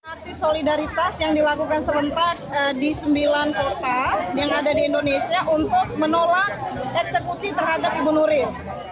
aksi solidaritas yang dilakukan serentak di sembilan kota yang ada di indonesia untuk menolak eksekusi terhadap ibu nuril